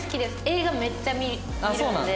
映画めっちゃ見るんで。